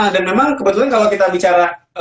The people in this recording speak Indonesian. dan memang kebetulan kalau kita bicara